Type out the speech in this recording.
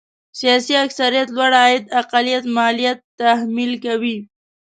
سیاسي اکثريت لوړ عاید اقلیت ماليات تحمیل کوي.